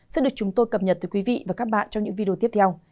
sẽ được chúng tôi cập nhật từ quý vị và các bạn trong những video tiếp theo